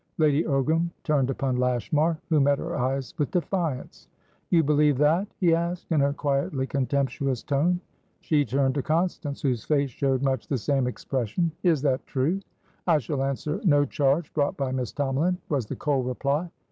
Lady Ogram turned upon Lashmar, who met her eyes with defiance. "You believe that?" he asked, in a quietly contemptuous tone. She turned to Constance, whose face showed much the same expression. "Is that true?" "I shall answer no charge brought by Miss Tomalin," was the cold reply.